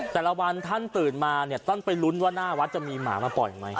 แต่ละวันท่านตื่นมาเนี่ยต้องไปลุ้นว่าหน้าวัดจะมีหมามาปล่อยไหม